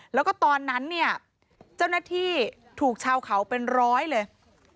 แล้วก็ตอนนั้นเนี่ยเจ้าหน้าที่ถูกชาวเขาเป็นร้อยเลย